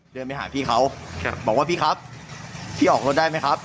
เดินไปหาพี่เขาบอกว่าพี่ครับพี่ออกรถได้ไหมครับ